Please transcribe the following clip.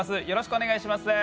よろしくお願いします。